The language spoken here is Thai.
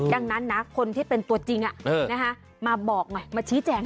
ดังนั้นนะคนที่เป็นตัวจริงมาบอกหน่อยมาชี้แจงหน่อย